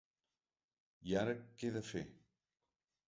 I ara què he de fer?